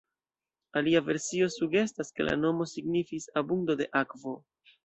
Alia versio sugestas ke la nomo signifis “abundo de akvo”.